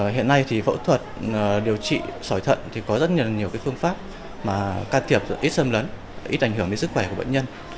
hiện nay thì phẫu thuật điều trị sỏi thận thì có rất nhiều phương pháp mà can thiệp ít xâm lấn ít ảnh hưởng đến sức khỏe của bệnh nhân